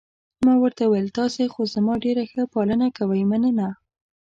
ما ورته وویل: تاسي خو زما ډېره ښه پالنه کوئ، مننه.